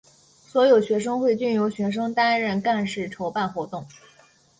所有学会均由学生担任干事筹办活动。